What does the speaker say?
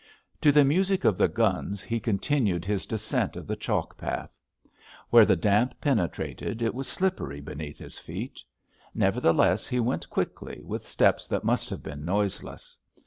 To the music of the guns he continued his descent of the chalk path. Where the damp penetrated it was slippery beneath his feet, nevertheless he went quickly with steps that must have been noiseless.